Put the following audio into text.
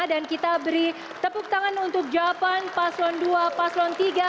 dan kita beri tepuk tangan untuk javan paslon dua paslon tiga